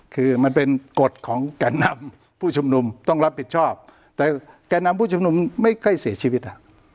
คือมันเป็นกฎของแก่นำผู้ชุมนุมต้องรับผิดชอบแต่แก่นำผู้ชุมนุมไม่ค่อยเสียชีวิต